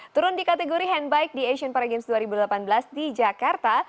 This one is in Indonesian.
turun di kategori handbike di asian para games dua ribu delapan belas di jakarta